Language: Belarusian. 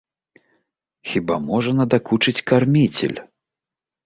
Хіба можа надакучыць карміцель!